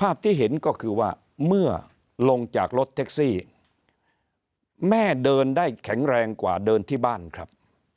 ภาพที่เห็นก็คือว่าเมื่อลงจากรถแท็กซี่แม่เดินได้แข็งแรงกว่าเดินที่บ้านครับ